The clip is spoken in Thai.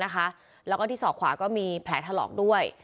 แล้วก็ที่ศอกขวาก็มีแผลถลอกด้วย